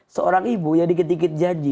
seorang ibu yang dikit dikit janji